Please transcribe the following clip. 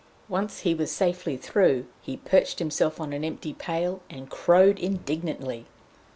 Once he was safely through, he perched himself on an empty pail, and crowed indignantly.